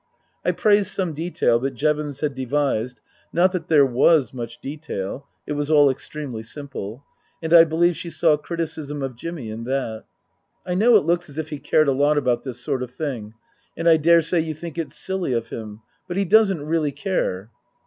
I praised some detail that Jevons had devised (not that there was much detail ; it was all extremely simple). And I believe she saw criticism of Jimmy in that. " I know it looks as if he cared a lot about this sort of thing. And I daresay you think it's silly of him. But he doesn't really care."